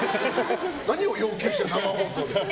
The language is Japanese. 何を要求してるの生放送で。